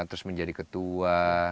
terus menjadi ketua